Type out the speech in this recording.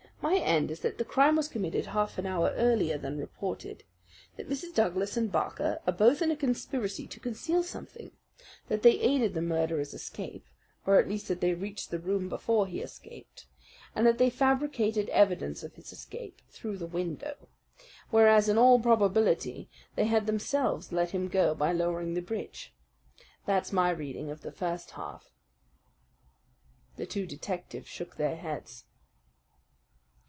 My end is that the crime was committed half an hour earlier than reported; that Mrs. Douglas and Barker are both in a conspiracy to conceal something; that they aided the murderer's escape or at least that they reached the room before he escaped and that they fabricated evidence of his escape through the window, whereas in all probability they had themselves let him go by lowering the bridge. That's my reading of the first half." The two detectives shook their heads.